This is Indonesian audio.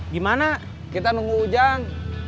gimana kita nunggu ujang